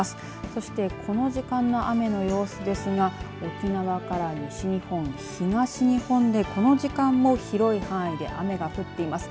そしてこの時間の雨の様子ですが沖縄から西日本、東日本でこの時間も広い範囲で雨が降っています。